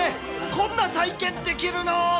こんな体験できるの？